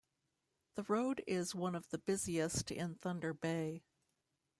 The road is one of the busiest in Thunder Bay.